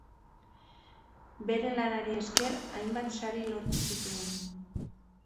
Bere lanari esker hainbat sari lortu zituen.